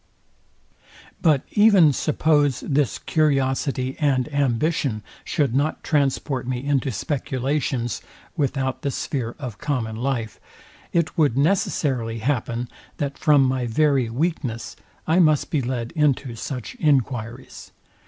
But even suppose this curiosity and ambition should not transport me into speculations without the sphere of common life, it would necessarily happen, that from my very weakness I must be led into such enquiries.